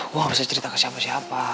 gue gak bisa cerita ke siapa siapa